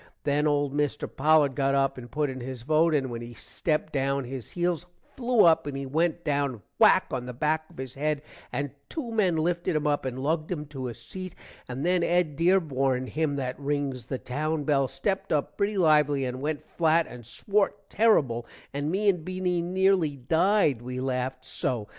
then old mister Pollard got up and put in his vote and when he stepped down his heels flew up and he went down whak on the back of his head and 2 men lifted him up and lugged him to a seat, and then Ed Derborn, him that rings the town bell, stepped up pretty lively and went flat and swort terrible, and me and Beany nearly died we laffed so.